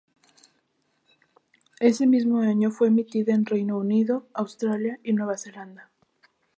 Ese mismo año fue emitida en Reino Unido, Australia y Nueva Zelanda.